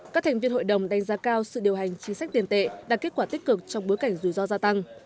các thành viên hội đồng đánh giá cao sự điều hành chính sách tiền tệ đạt kết quả tích cực trong bối cảnh rủi ro gia tăng